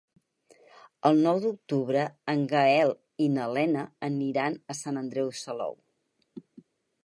El nou d'octubre en Gaël i na Lena aniran a Sant Andreu Salou.